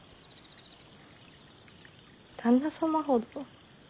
旦那様ほど。